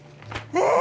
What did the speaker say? え！